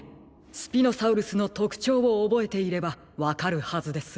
スピノサウルスのとくちょうをおぼえていればわかるはずです。